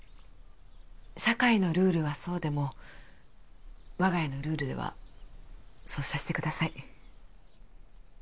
社会のルールはそうでも我が家のルールではそうさせてください